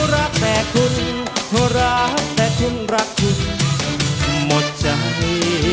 รักคุณหมดใจ